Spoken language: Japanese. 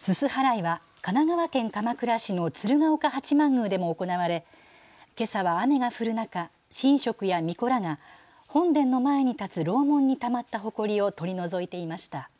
すす払いは神奈川県鎌倉市の鶴岡八幡宮でも行われけさは雨が降る中、神職やみこらが本殿の前に立つ楼門にたまったほこりを取り除いていました。